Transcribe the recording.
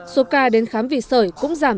số ca đến khám vị sởi cũng giảm